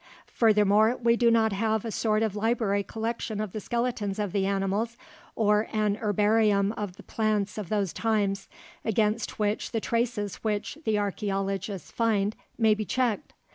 Furthermore, we do not have a sort of library collection of the skeletons of the animals or an herbarium of the plants of those times, against which the traces which the archeologists find may be checked.